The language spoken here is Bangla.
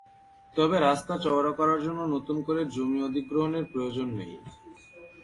তবে রাস্তা চওড়া করার জন্য নতুন করে জমি অধিগ্রহণের প্রয়োজন নেই।